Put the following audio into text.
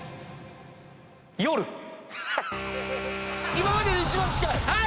今までで一番近い！